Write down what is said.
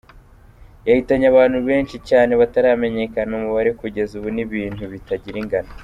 Yahitanye abantu benshi cyane bataramenyekana umubare kugeza ubu, n’ibintu bitagira ingano.